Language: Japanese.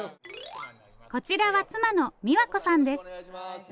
こちらは妻の美和子さんです。